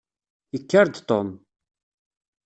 Yekker-d Tom.